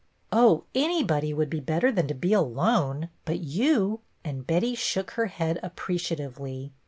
" Oh, anybody would be better than to be alone, but you —" and Betty shook her head appreciatively.